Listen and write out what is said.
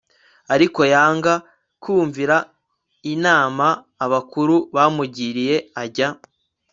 Ariko yanga kumvira inama abakuru bamugiriye ajya